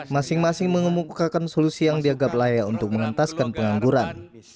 masing masing mengemukakan solusi yang dianggap layak untuk mengentaskan pengangguran